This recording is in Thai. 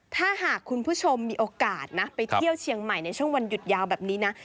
ถ้าหากคุณผู้ชมมีโอกาสนะไปเที่ยวเชียงใหม่ในช่วงวันหยุดยาวแบบนี้นะ